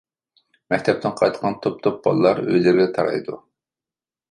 مەكتەپتىن قايتقان توپ-توپ بالىلار ئۆيلىرىگە تارايدۇ.